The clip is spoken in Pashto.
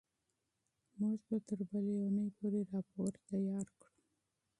موږ به تر بلې اونۍ پورې راپور چمتو کړو.